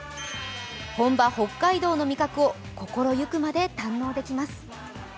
本場・北海道の味覚を心ゆくまで堪能できます。